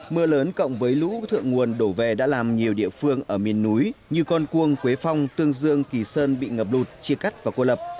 mưa lớn cộng với lũ thượng nguồn đổ về đã làm nhiều địa phương ở miền núi như con cuông quế phong tương dương kỳ sơn bị ngập lụt chia cắt và cô lập